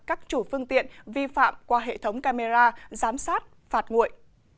các chủ phương tiện vi phạm qua hệ thống camera giám sát phạt nguội